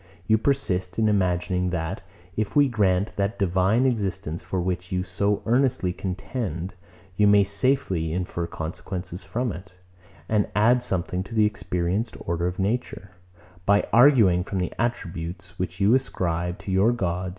You persist in imagining, that, if we grant that divine existence, for which you so earnestly contend, you may safely infer consequences from it, and add something to the experienced order of nature, by arguing from the attributes which you ascribe to your gods.